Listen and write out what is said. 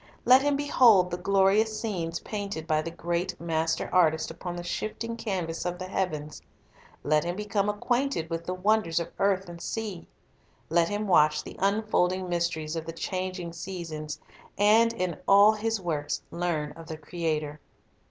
Let him behold the glorious scenes painted by the great Master Artist upon the shifting canvas of the heavens, let him become acquainted with the wonders of earth and sea, let him watch the unfolding mysteries of the changing seasons, and, in all His works, learn of the Creator.